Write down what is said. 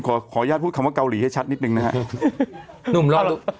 ขออนุญาตพูดคำว่าเกาหลีให้ชัดนิดนึงนะครับ